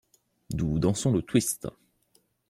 Nous dansons le twist.